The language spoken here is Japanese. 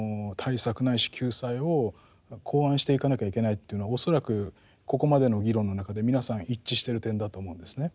ないし救済を考案していかなきゃいけないというのは恐らくここまでの議論の中で皆さん一致してる点だと思うんですね。